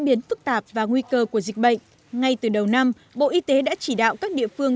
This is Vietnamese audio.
biến phức tạp và nguy cơ của dịch bệnh ngay từ đầu năm bộ y tế đã chỉ đạo các địa phương